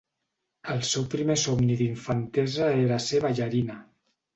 El seu primer somni d'infantesa era ser ballarina.